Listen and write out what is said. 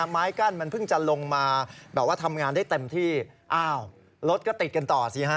ไม้กั้นมันเพิ่งจะลงมาแบบว่าทำงานได้เต็มที่อ้าวรถก็ติดกันต่อสิฮะ